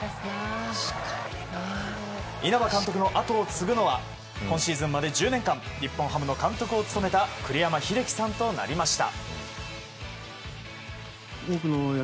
稲葉監督の跡を継ぐのは今シーズンまで１０年間日本ハムの監督を務めた栗山英樹さんとなりました。